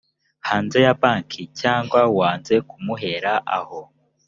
hanze ya banki cyangwa wanze kumuhera aho